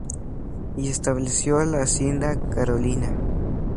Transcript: Y estableció la hacienda Carolina.